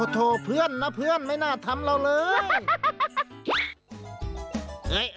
โทษเพื่อนนะเพื่อนไม่น่าทำเราเลย